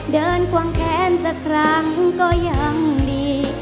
เดินควังแขนสักครั้งก็ยังดี